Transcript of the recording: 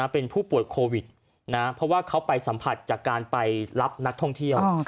เป็นผู้ป่วยโควิดเพราะว่าเขาไปสัมผัสจากการไปรับนักท่องเที่ยว